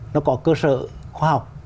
nó có cơ sở khoa học